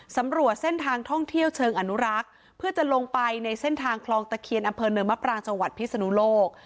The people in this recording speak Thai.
สำรวจเส้นทางท่องเที่ยวเชิงอนุรักษ์เพื่อจะลงไปในเส้นทางคลองตะเคียนอำเภอเนินมะปรางจังหวัดพิศนุโลก